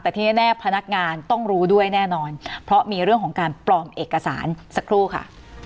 แต่ที่แน่พนักงานต้องรู้ด้วยแน่นอนเพราะมีเรื่องของการปลอมเอกสารสักครู่ค่ะ